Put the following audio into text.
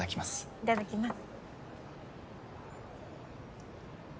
いただきます。